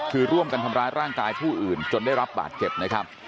คือร่วมกันทำร้ายร่างกายผู้อื่นจนได้รับบาดเจ็บนะครับ